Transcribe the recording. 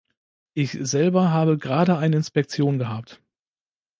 Ich selber habe gerade eine Inspektion gehabt.